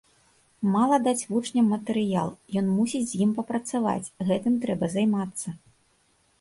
Мала даць вучням матэрыял, ён мусіць з ім папрацаваць, гэтым трэба займацца.